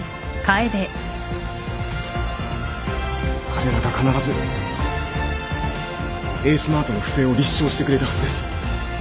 彼らが必ずエースマートの不正を立証してくれるはずです。